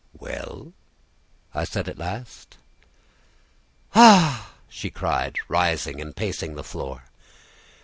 "Well?" I said at last. "Ah!" she cried, rising and pacing the floor.